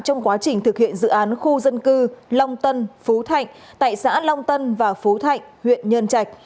trong quá trình thực hiện dự án khu dân cư long tân phú thạnh tại xã long tân và phú thạnh huyện nhân trạch